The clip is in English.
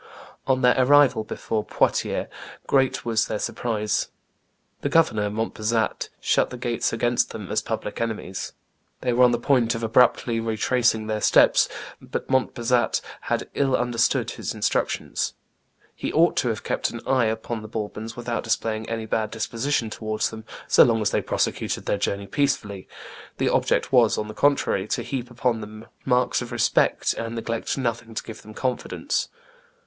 On their arrival before Poitiers, great was their surprise: the governor, Montpezat, shut the gates against them as public enemies. They were on the point of abruptly retracing their steps; but Montpezat had ill understood his instructions; he ought to have kept an eye upon the Bourbons without displaying any bad disposition towards them, so long as they prosecuted their journey peacefully; the object was, on the contrary, to heap upon them marks of respect, and neglect nothing to give them confidence.